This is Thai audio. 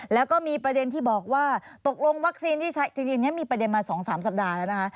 แล้วก็มีประเด็นที่บอกว่าตกลงวัคซีนที่ใช้จริงนี้มีประเด็นมา๒๓สัปดาห์แล้วนะคะ